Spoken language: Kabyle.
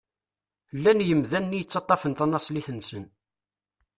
Llan yimdanen i yettaṭṭafen tanefsit-nsen.